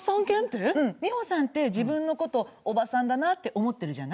美穂さんって自分はおばさんだって思ってるわよ。